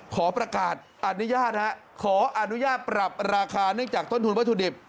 ขอประกาศอนุญาตขออนุญาตปรับราคาเนื่องจากต้นทุนวัตถุดิบ